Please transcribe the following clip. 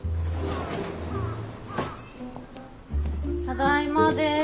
ただいまです。